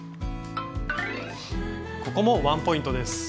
ここもワンポイントです。